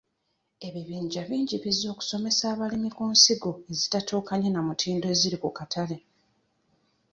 Ebibinja bingi bizze okusomesa abalimi ku nsigo ezitatuukanye na mutindo eziri ku katale.